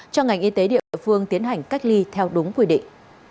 cho ngành y tế địa phương tiến hành cách ly theo đúng quy định